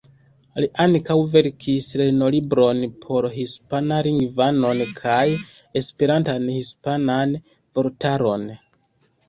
Li ankaŭ verkis lernolibron por hispan-lingvanoj kaj Esperantan-hispanan vortaron.